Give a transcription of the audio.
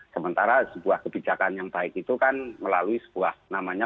sementara sebuah kebijakan yang baik itu kan melalui sebuah namanya